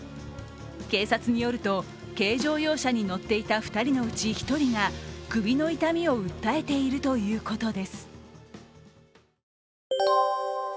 警察によると軽乗用車に乗っていた２人のうち１人が、首の痛みを訴えているということです。